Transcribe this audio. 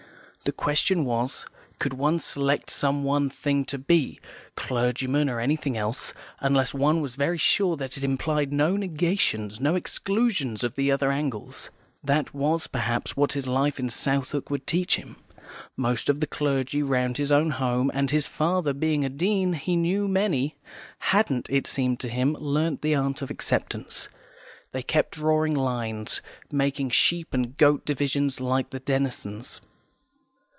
The question was, could one select some one thing to be, clergyman or anything else, unless one was very sure that it implied no negations, no exclusions of the other angles? That was, perhaps, what his life in Southwark would teach him. Most of the clergy round his own home and, his father being a Dean, he knew many hadn't, it seemed to him, learnt the art of acceptance; they kept drawing lines, making sheep and goat divisions, like the Denisons.